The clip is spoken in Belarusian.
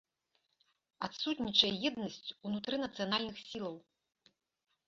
Адсутнічае еднасць унутры нацыянальных сілаў.